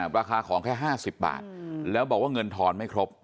ราคาของแค่๕๐บาทแล้วบอกว่าเงินทอนไม่ครบ